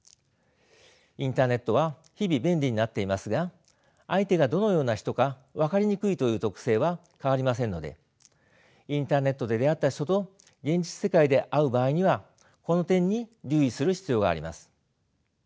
インターネットは日々便利になっていますが相手がどのような人か分かりにくいという特性は変わりませんのでインターネットで出会った人と現実世界で会う場合にはこの点に留意する必要があります。